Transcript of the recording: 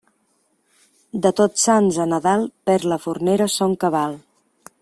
De Tots Sants a Nadal perd la fornera son cabal.